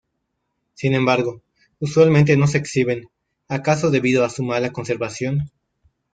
Sin embargo, usualmente no se exhiben, acaso debido a su mala conservación.